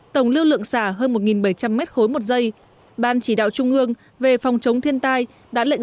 tổng lưu lượng xả hơn một bảy trăm linh m ba một giây ban chỉ đạo trung ương về phòng chống thiên tai đã lệnh